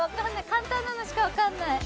簡単なのしかわかんない。